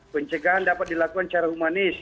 pencegahan dapat dilakukan secara humanis